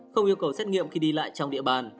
không yêu cầu xét nghiệm khi đi lại trong địa bàn